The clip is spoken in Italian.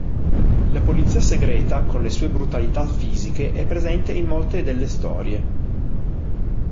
La polizia segreta, con le sue brutalità fisiche, è presente in molte delle storie.